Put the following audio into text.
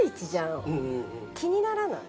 気にならない？